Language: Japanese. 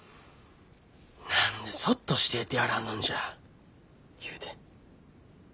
何でそっとしてえてやらんのんじゃ言うて。